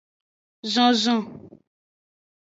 Zozon.